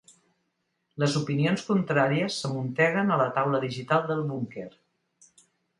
Les opinions contràries s'amunteguen a la taula digital del búnquer.